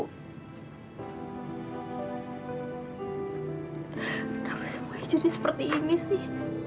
nah semuanya jadi seperti ini sih